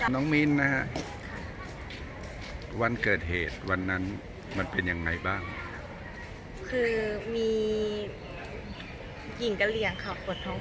น้องมินท์นะครับวันเกิดเหตุวันนั้นมันเป็นยังไงบ้างคือมีหญิงกระเลี่ยงเขาปวดห้องคอม